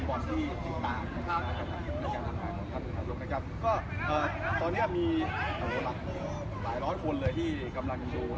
ตอนนี้มีหลายหลายคนที่กำลังมาดูเรา